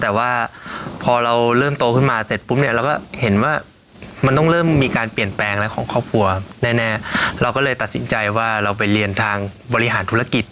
แต่ว่าพอเราเริ่มโตขึ้นมาเสร็จปุ๊บเนี่ยเราก็เห็นว่ามันต้องเริ่มมีการเปลี่ยนแปลงอะไรของครอบครัวแน่เราก็เลยตัดสินใจว่าเราไปเรียนทางบริหารธุรกิจ